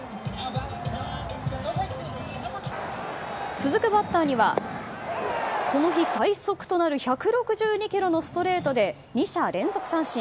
続くバッターにはこの日、最速となる１６２キロのストレートで２者連続三振。